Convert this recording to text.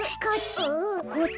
こっち？